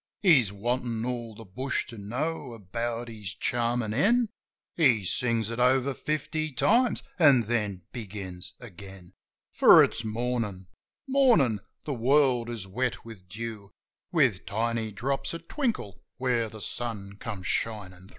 He's wantin' all the bush to know about his charmin' hen ; He sings it over fifty times, an' then begins again. For it's Mornin' ! Mornin' ! The world is wet with dew, With tiny drops a twinkle where the sun comes shinin' thro'.